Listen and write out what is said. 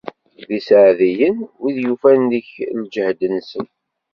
D iseɛdiyen wid yufan deg-k lǧehd-nsen.